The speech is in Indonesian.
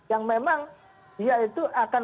yang memang dia itu akan